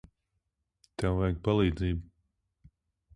Tev vajag palīdzību.